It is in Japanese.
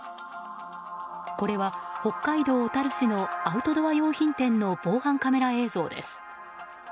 これは北海道小樽市のアウトドア用品店の防犯カメラ映像です。